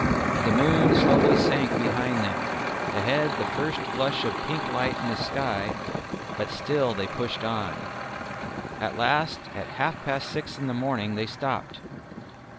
The moon slowly sank behind them; ahead the first flush of pink lighted the sky; but still they pushed on. At last at half past six in the morning they stopped.